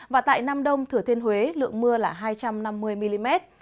và tại nam đông thửa thiên huế lượng mưa là hai trăm năm mươi mm